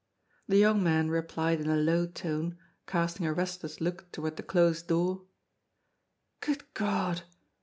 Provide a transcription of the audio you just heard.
The young man replied in a low tone, casting a restless look toward the closed door: "Good God!